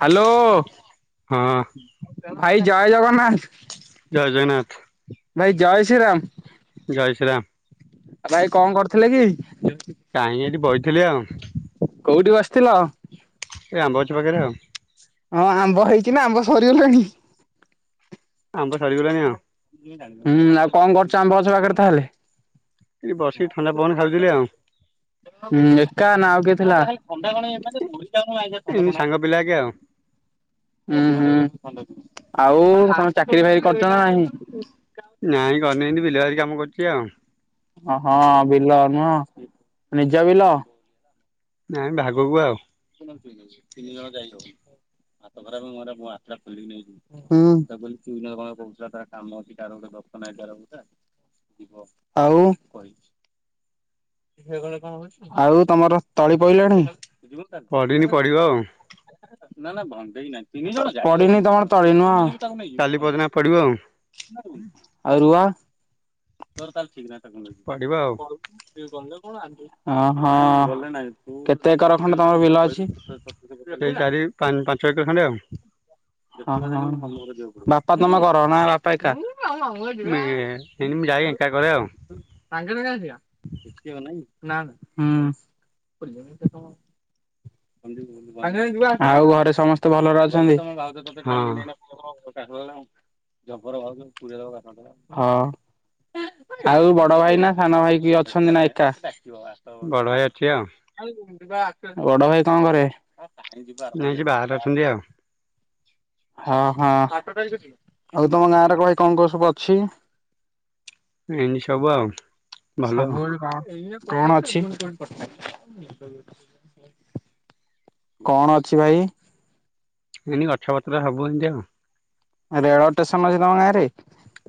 Hello. ହଁ ଭାଇ ଜୟ ଜଗନ୍ନାଥ। ଜୟ ଜଗନ୍ନାଥ। ଭାଇ ଜୟ ଶ୍ରୀରାମ। ଜୟ ଶ୍ରୀରାମ। ଭାଇ କଁ କରୁଥିଲେ କି? କାଇଁ ଏଇଠୀ ବଇଥିଲି ଆଉ। କୋଉଠି ବସିଥିଲ? ଏ ଆମ୍ବଗଛ ପାଖରେ ଆଉ। ହଁ ଆମ୍ବ ହେଇଛି ନା ଆମ୍ବ ସରିଗଲାଣି। ଆମ୍ବ ସରିଗଲାଣି ଆଁ ଉ। ହୁଁ ଆଉ କଣ କରୁଚ ଆମ୍ବ ଗଛ ପାଖରେ ତାହେଲେ। ଏଠି ବସିକି ଥଣ୍ଡା ପବନ ଖାଉଥିଲି ଆଉ। ଉଁ ଏକା ନା ଆଉ କିଏ ଥିଲା? ଏମିତି ସାଙ୍ଗ ପିଲା ଆଗେ ଆଉ ଉଁ ହୁଁ ଆଉ କଣ ଚାକିରି ଫାକିରି କରୁଚ ନା ନାହିଁ। ନାଇଁ କରିନେଇ ଏମତି ବିଲବାରି କାମ କରୁଛି ଆଉ। ଅ ହଁ ବିଲ ନୁହଁ ନିଜ ବିଲ? ନାଇଁ ଭାଗକୁ ଆଉ। ତିନି ଜଣ ଯାଇହବ। ହୁଁ। କହୁଥିଲା ତାର କାମ ଅଛି କାର ଗଟେ ଆଉ ଆଉ ତମର ତଳି ପଇଲାଣି? ପଡିନି ପଡିବ ଆଉ। ପଡିିନି ତମର ତଳି ନୁହଁ। କାଲି ପରଦିନ ପଡିବ ଆଉ ଆଉ ରୁଆ। ପଡିବ ଆଉ। ଅହଁଁ କେତେ ଏକର ଖଣ୍ଡେ ତମର ବିଲ ଅ ସେଇ ଚାରି ପା ପାଞ୍ଚ ଏକର ଖଣ୍ଡେ ଆଉ। ହଁ ହଁ ବାପା ତମେ କର ନା ବାପା ଏକା? ମିଇଏ ଇନ୍ ମୁଁ ଯାଇ ଏଙ୍କା କରେ ଆଉ। [unintelligible] ଆଉ ଘରେ ସମସ୍ତେ ଭଲରେ ଅଛନ୍ତି? ହଁ [unintelligible] ହଁ। ଆଉ ବଡ ଭାଇ ନା ସାନ ଭାଇ କିଏ ଅଛନ୍ତି ନା ଏକା। ବଡହାଇ ଅଛି ଆଉ। ବଡ ଭାଇ କଁ କରେ? ନାଇଁ ସେ ବାହାରେ ଅଛନ୍ତି ଆଉ। ହଁ ହଁ ଆଉ ତମ ଗାଁରେ କ ଭାଇ କଁ କଁ ସବୁ ଅଛି? ଇନ୍ତି ସବୁ ଆଉ। ଭଲ ସବୁବୋଲି କଣ କଣ ଅଛି? କଣ ଅଛି ଭାଇ? ଇନ୍ତି ଗଛପତ୍ର ହବୁ ଏନ୍ତି ଆଉ। ରେଳ ଷ୍ଟେସନ ଅଛି ତମ ଗାଁରେ?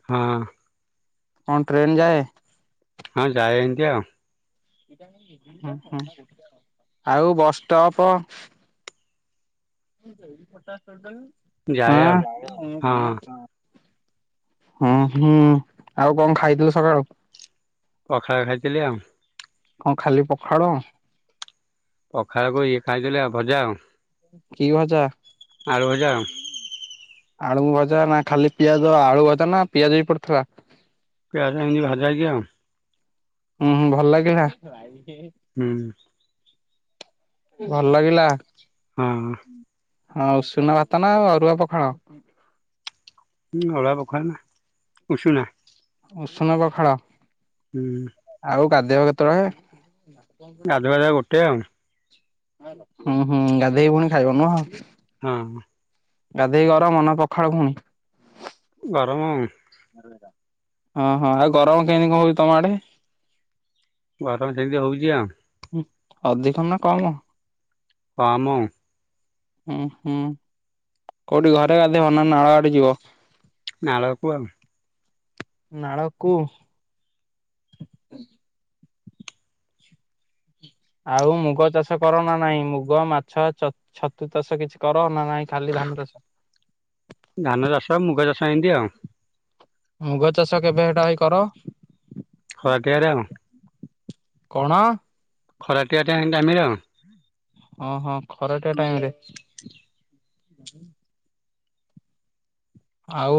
ହଁ। କଣ ଟ୍ରେନ୍ ଯାଏ? ହଁ ଯାଏ ଏନ୍ତି ଆଉ। ହଁ ହଁ ଆଉ ବସ୍ ଷ୍ଟପ ଯାଏ ଆଉ ହଁ [unintelligible] ଆଉ ଙ୍କ ଖାଇଥିଲୁ ସକାଳୁ? ପଖାଳ ଖାଇଥିଲି ଆଉ। ଙ୍କ ଖାଲି ପଖାଳ? ପଖାଳକୁ ଇ ଖାଇ--ଲି ଭଜା ଆଉ। କି ଭଜା? ଆଳୁ ଭଜା-। ଆଳୁ ଭଜା ନା, ଖାଲି ପିଆଜ ଆଳୁ ଭଜା ନା ପିଆଜ ବି ପ--ଥିଲା। [inaudible] ଉଁ--ଭଲ୍ ଲାଗିଲା। [inaudible] ଭଲ୍ ଲାଗିଲା। [inaudible] ଉଷୁନା ଭାତ ନା ଅରୁଆ ପଖାଳ? ଉଁ, ଅରୁଆ ପଖାଳ ନା ଉଷୁନା? ଉଷୁନ ପଖାଳ। [inaudible] ଆଉ ଗା--ଇବ କେତ--ଳେ? ଗାଧୁ ଗାଧୁକା ଗୋଟେ ଆଉଁ। ହୁଁ ହୁଁ, ଗାଧେଇ କି ପୁଣି ଖାଇବ ନୁହଁ। ହଁ! ଗାଧେଇ କି ଗରମ ନା ପଖାଳ ଫୁଣି। [inaudible] ହଁ ହଁ, ଆଉ ଗରମ କେନ୍ତି କ- ହଉ ତମ ଆଡ଼େ? ଗରମ ସେନ୍ତି ହଉଚି ଆଉଁ। ଅଧିକ ନା କମ? [inaudible] ଉଁ ହୁଁ, କଉଠି ଘରେ ଗାଧେଇବ ନା ନାଳ ଆଡ଼େ ଯିବ? ନାଳକୁ ଆଉ। ନାଳ କୁ। ଆଉ ମୁଗ ଚାଷ କର ନା ନାଇଁ? ମୁଗ, ମାଛ ଛତୁ ତାଷ କିଛି କର ନା ନାଇଁ, ଖାଲି ଧାନ ତାଷ। ଧାନ ଚାଷ, ମୁଗ ଚାଷ ଇନ୍ତି ଆ। ମୁଗ ଚାଷ କେବେ ହେଟା ଭାଇ କର? [inaudible] [inaudible] [inaudible] ଅହଃ, ଖରାଟିଆ ଟାଇମି ରେ। ଆଉ।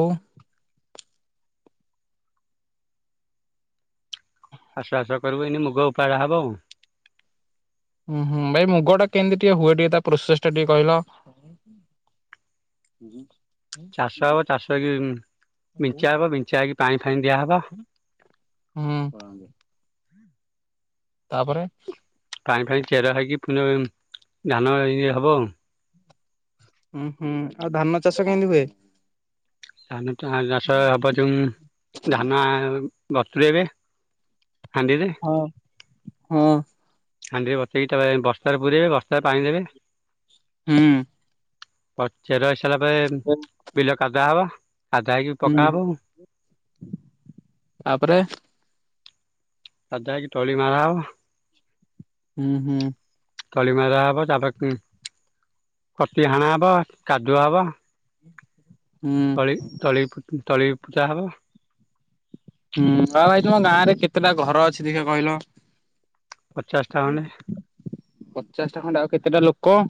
[inaudible] ଉଁ ହୁଁ, ବାଇ ମୁଗ ଟା କେନ୍ତି ଟିକେ ହୁଏ, ଟିକେ ତା ପ୍ରୋସେସ୍‌ ଟା ଟିକେ କ--ଲ। [inaudible] ଚାଷ ହବ, ଚାଷ ହେଇକି ବିଞ୍ଚା ହବ। ବିଞ୍ଚା ହେଇକି ପାଣି ଫାଣି ଦିଆ ହବ। [unintelligible] ତା'ପରେ। [inaudible] ହୁଁ ଆଉ ଧାନ ଚାଷ କେନ୍ତି ହୁଏ? [inaudible] ଧାନ--ବ---ରେଇବେ ହାଣ୍ଡିରେ। [inaudible] ହାଣ୍ଡିରେ ବସେଇକି ବସ୍ତାରେ ପୁରାଇବେ ବସ୍ତାରେ ପାଣି ଦେବେ। ହୁଁ। ପଚେର ହେଇ ସାରିଲା ପରେ ବିଲ କାଦା ହବା କାଦା ହେଇକି ହୁଁ ପକା ହବ। ତାପରେ କାଦା ହେଇକି ତଳି ମାରା ହବ। ହୁଁ ହୁଁ। କାଲି ମଳା ହବ ତାପରେ କତି ହାଣା ହବ କାଦୁଆ ହବ। ହୁଁ। ତଳି ତଳି ତଳି ପୂଜା ହବ। ହୁଁ [unintelligible] ଙ୍କ ନା ରେ କେତେଟା ଘର ଅଛି ଦେଖିବା କହିଲ? ପଚାଶଟା ଖଣ୍ଡେ ପଚାଶ ଟା ଖଣ୍ଡେ। ଆଉ କେତେଟା ଲୋକ?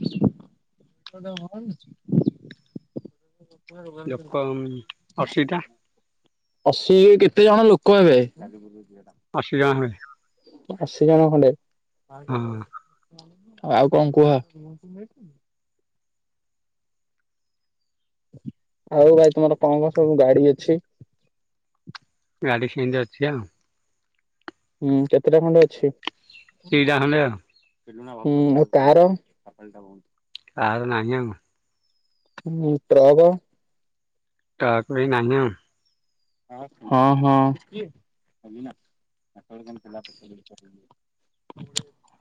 ଲୋକ ଉଁ ଅଶିଟା। ଅଶୀରେ କେତେ ଜଣ ଲୋକ ହେବେ? [inaudible] ଅଶୀଜଣ ହେବେ। ଅଶୀ ଜଣ ଖଣ୍ଡେ। ହଁ ଆଉ କଣ କୁହ? ଆଉ ଭାଇ ତମର କଣ କଣ ସବୁ ଗାଡି ଅଛି? ଗାଡ଼ି ସେମିତି ଅଛି ଆଉ। ହୁଁ କେତେଟା ଖଣ୍ଡେ ଅଛି? ଦିଟା ଖଣ୍ଡେ ଆଉ। ଆଉ ଆଉ କାର? କାର ନାହିଁ ଆଉ। ହୁଁ ଟ୍ରକ? କାର ପାଇଁ ନାଇଁ ନା? ହଁ ହଁ।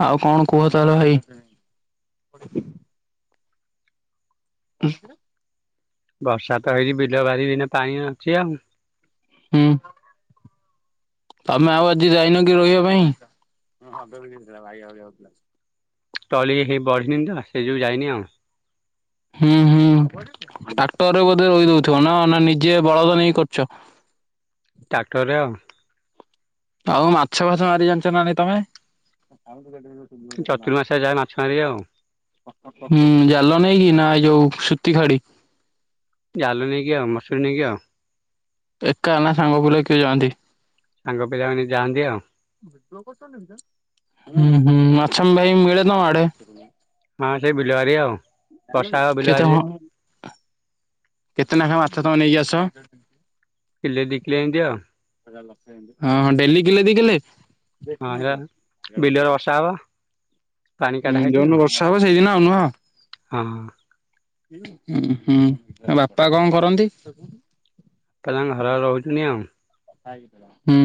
ଆଉ କଣ କୁହ ତାହେଲେ ଭାଇ? ବର୍ଷା ତ ହେଇକି ବିଲ ବାରି ଏଇନା ପାଣି ଅଛି ଆଉ। ହୁଁ। ତମେ ଆଉ ଆଜି ଯାଇନ କି ରୋଇଁବା ପାଇଁ? ତଳି ହେଇ ବଢିନି ତ ସେଇ ଯୋଗୁ ଯାଇନି ଆଉ। ହୁଁ ହୁଁ ଟ୍ରାକ୍ଟରରେ ବୋଧେ ରୋଈ ଦଉଥିବ ନା ନା ନିଜେ ବଳଦ ନେଇକ କରୁଚ? ଟ୍ରାକ୍ଟରରେ ଆଉ। ଆଉ ମାଛ ଫାଛ ମାରି ଜାଣିଚ ନା ନାଇ ତମେ? ଚତୁର୍ ମାସରେ ଯାଏ ମାଛ ମାରିବେ ଆଉ। ହୁଁ ଜାଲ ନେଇକି ନା ଏ ଯୋଉ ସୁତି ଖାଡି? ଜାଲ ନେଇକି ଆଉ ମସୁରି ନେଇକି ଆଉ। ଏକା ନା ସାଙ୍ଗ ପିଲା କିଏ ଯାଆନ୍ତି? ସାଙ୍ଗ ପିଲାମାନେ ଯାଆନ୍ତି ଆଉ। ହୁଁ ହିଁ ମାଛମ ଭାଇ ମିଳେେ ତମ ଆଡେ? ହଁ ସେଇ ବିଲ ବାରି ଆଉ। ବର୍ଷା ହବ ବିଲବାରିରେ [unintelligible] କେତେନଖା ମାଛ ତମ ନେଇକି ଆସ? କିଲେ ଦିକିଲେ ଏମିତି ଆଉ। ହଁ ହଁ ଡେଲି କିଲେ ଦି କିଲେ? ହଁ ଏ ବିଲରେ ବର୍ଷା ହବ ପାଣି କାଢା ହେଇଚି ଆଉ। ସବୁ ସେଇଦିନ ଆଉୁ ନୁହଁ? ହଁ। ଉ ହୁଁ ବାପା କଣ କରନ୍ତି? [unintelligible] ହୁଁ।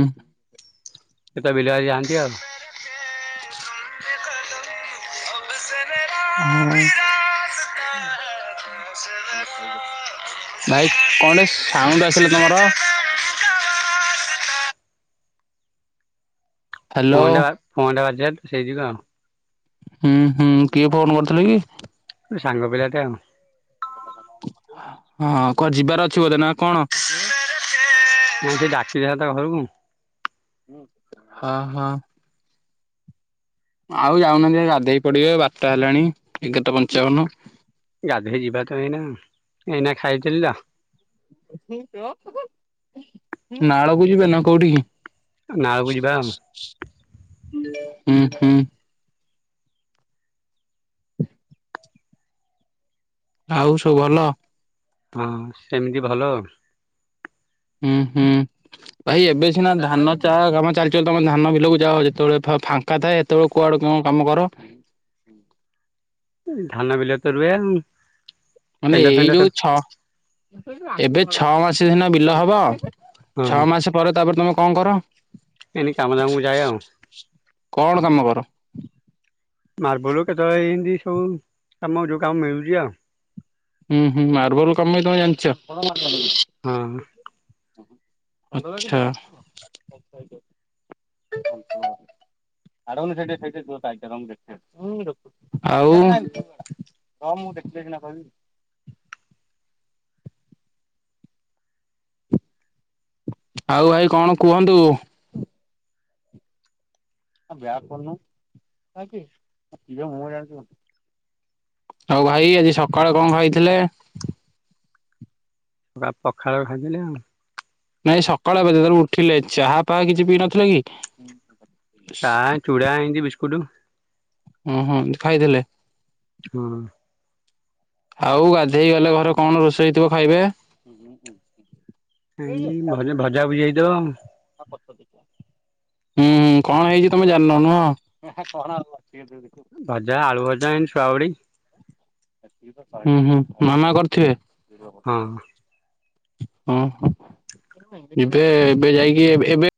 ସେ ତ ବିଲି ବାରି ଯାଆନ୍ତି ଆଉ। [inaudible] ହଁ। ଭାଇ କଣ ଟେ ସାଉଣ୍ଡ ଆସିଲା ତମର [inaudible] ହ୍ୟାଲୋ ଫୋନ ଟା ଫୋନ ଟା ବାଜିଲା ତ [unintelligible] ହୁଁ ହୁଁ କିଏ ଫୋନ କରିଥିଲେ କି? ସାଙ୍ଗ ପିଲାଟା ଆଉ। ହଁ [unintelligible] ଯିବାର ଅଛି ବୋଧେ ନା କଣ? [unintelligible] ଡାକି ଥାନ୍ତା ଘରୁକୁ। ହଁ ହଁ। ଆଉ ଯାଉନାହାନ୍ତି ଗାଧେଇ ପଡିବେ ବାରଟା ହେଲାଣି ଏଗାରଟା ପଞ୍ଚାବନ। ଗାଧେଇ ଯିବା ତ ଏଇନା ଏଇନା ଖାଇଥିଲି ତ। ନାଳକୁ ଯିବେ ନା କୋଉଠିକି? ନାଳକୁ ଯିବା ଆଉ। ହୁଁ ହୁଁ। ଆଉ ସବୁ ଭଲ? ହଁ ସେମିତି ଭଲ। ହୁଁ ହୁଁ। ଭାଇ ଏବେ ସିନା ଧାନ ଚା କାମ ଚାଲିଚି ବୋଲି ତମେ ଧାନ ବିଲକୁ ଯାଅ ଯେତବେଳେ ଫ-ଫା ଙ୍କା ଥାଏ ଏତବେଳୁ କୁଆଡୁ କଣ କାମ କର? ଧାନ ବିଲ ତ ରୁଏ ଆଉ। ମାନେ ଷେଣ୍ଢ ଏଇ ଫେଣ୍ଡ ଯୋଉ ସବୁ ଛଅ ଏବେ ଛଅ ମାସେ ସିନା ବିଲ ହବ। ଛଅ ହଁ ମାସ ପରେ ତାପରେ ତମେ କଣ କର? ଏଇନି କାମ ଦାମକୁ ଯାଏ ଆଉ। କଣ କାମ କର? ମାର୍ବଲ କେତବେଳେ ଇନ୍ତି ସବୁ କାମ ଯୋଉ କାମ ମିଳୁଚି ଆଉ। ହୁଁ ହୁଁ ମାର୍ବଲ କାମ ବି ତମେ ଜାଣିଚ? ହଁ। ଆଚ୍ଛା। [unintelligible] ଆଉ ହଁ ମୁଁ ଦେଖିଲେ ସିନା କହିବି। ଆଉ ଭାଇ କଣ କୁହନ୍ତୁ? ଆ ବ୍ୟାକ୍ କରୁନୁ କାହିଁକି [unintelligible] ଆଉ ଭାଇ ଆଜି ସକାଳେ କଣ ଖାଇଥିଲେ? ବା ପଖାଳ ଖାଇଥିଲି ଆଉ। ନାଇଁ ସକାଳେ ବା ଯେତଳେ ଉଠିଲେ ଚାହା ପାହା କିଛି ପିଇ ନଥିଲେ କି? ଚା, ଚୁଡ଼ା, ଏନ୍ତି ବିସ୍କୁଟ। ହଁ ହଁ ଖାଇଥିଲେ। ହଁ। ଆଉ ଗାଧେଇ ଗଲେ ଘରେ କଣ ରୋଷେଇ ହେଇଥିବ ଖାଇବେ? [unintelligible] ଆଜି ଘରେ ଭଜା ଭୁଜି ହେଇଥିବ। [unintelligible] ହୁଁ ହୁଁ କଣ ହେଇଛି ତମେ ଜାଣିନ ନୁହଁ? [unintelligible] ଭାଜା, ଆଳୁ ଭଜା, ଏନ୍ ସୁଆବଡ଼ି। ହୁଁ ହୁଁ ମାମା କରିଥିବେ। ହଁ। ହଁ ହଁ ଏବେ ଏବେ ଯାଇକି ଏ-ଏବେ